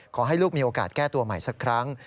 ขอให้ลูกมีโอกาสแก้ตัวใหม่สักครั้ง